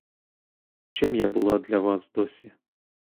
Чим я була для вас досі?